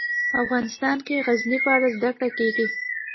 افغانستان کې د غزني په اړه زده کړه کېږي.